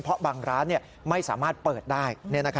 เพราะบางร้านไม่สามารถเปิดได้